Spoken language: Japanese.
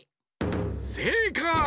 せいかい！